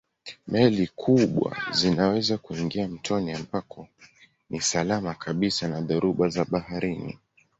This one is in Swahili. Meli kubwa zinaweza kuingia mtoni ambako ni salama kabisa na dhoruba za baharini.